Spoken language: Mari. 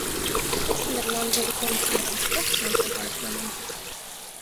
Тек надырлан вольыкым чумырат, оксам погат, манеш.